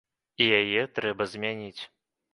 І яе трэба змяніць!